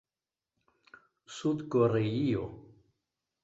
Sud Koreio